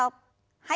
はい。